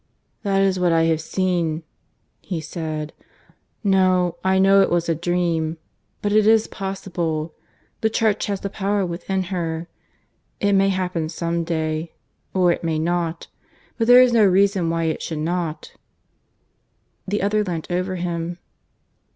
"That is what I have seen," he said. .. "No; I know it was a dream. .. But it is possible; the Church has the power within her. It may happen some day; or it may not. But there is no reason why it should not." The other leant over him.